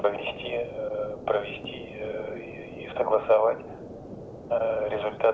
sampai ketemu dengan dua presiden mereka tidak akan bisa mengatakan apa yang akan terjadi